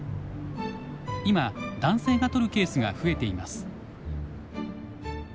今男性が取るケースが増えています。